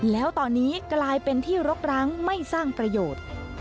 แล้วตอนนี้กลายเป็นที่รกร้างไม่สร้างประโยชน์